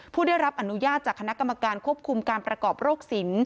ผู้ได้รับอนุญาตจากคณะกรรมการควบคุมการประกอบโรคสิน